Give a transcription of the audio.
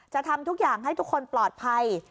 ทำทุกอย่างให้ทุกคนปลอดภัย